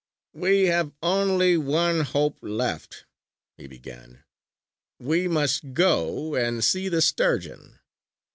"We have only one hope left," he began. "We must go and see the Sturgeon!